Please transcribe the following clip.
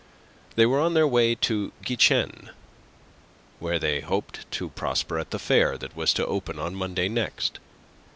They were on their way to Guichen, where they hoped to prosper at the fair that was to open on Monday next.